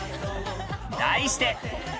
題して。